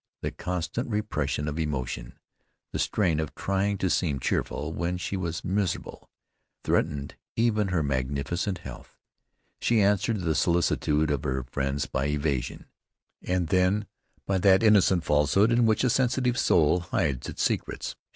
The constant repression of emotion, the strain of trying to seem cheerful when she was miserable, threatened even her magnificent health. She answered the solicitude of her friends by evasion, and then by that innocent falsehood in which a sensitive soul hides its secrets.